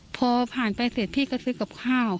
พอผ่านไปเสร็จพี่ก็ซื้อกับข้าว